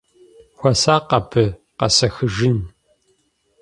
Хуэсакъ абы, къэсэхыжын!